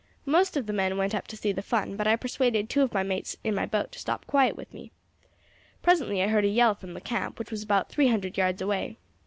Most of the men went up to see the fun, but I persuaded two of my mates in my boat to stop quiet with me. Presently I heard a yell from the camp, which was about three hundred yards away.